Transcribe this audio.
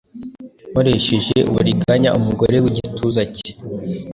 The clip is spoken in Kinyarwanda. nkoresheje uburiganya umugore wigituza cye.